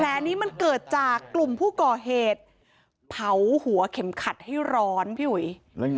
แผลนี้มันเกิดจากกลุ่มผู้ก่อเหตุเผาหัวเข็มขัดให้ร้อนพี่อุ๋ย